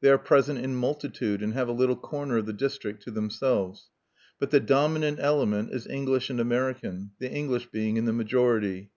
They are present in multitude, and have a little corner of the district to themselves. But the dominant element is English and American, the English being in the majority.